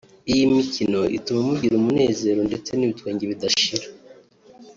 iyi mikino ituma mugira umunezero ndetse n’ibitwenge bidashira